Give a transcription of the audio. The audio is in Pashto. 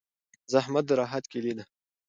زحمت د راحت کیلي ده.